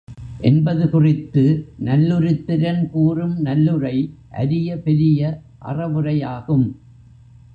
என்பது குறித்து நல்லுருத்திரன் கூறும் நல்லுரை அரிய பெரிய அறவுரையாகும்.